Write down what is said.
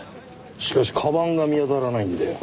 しかしかばんが見当たらないんだよ。